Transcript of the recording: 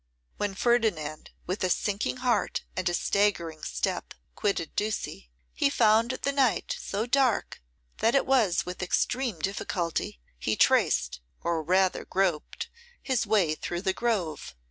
When Ferdinand with a sinking heart and a staggering step quitted Ducie, he found the night so dark that it was with extreme difficulty he traced, or rather groped, his way through the grove.